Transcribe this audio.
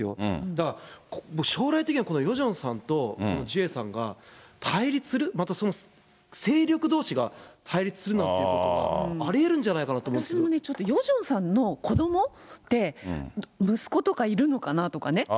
だから、僕、将来的には、このヨジョンさんと、ジュエさんが、対立する、またその、勢力どうしが対立するなんていうことが、私もね、ちょっとヨジョンさんの子どもって、息子とかいるのかなとかね。